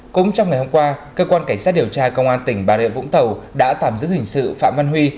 cũng trong ngày hôm qua cơ quan cảnh sát điều tra công an tỉnh bà rịa vũng tàu đã tạm giữ hình sự phạm văn huy